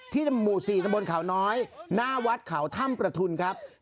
ที่หมู่๔บนขาวน้อยหน้าวัดขาวถ้ำประทุนครับ